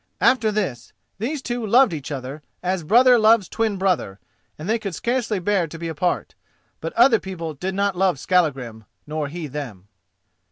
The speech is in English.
After this these two loved each other as brother loves twin brother, and they could scarcely bear to be apart. But other people did not love Skallagrim, nor he them.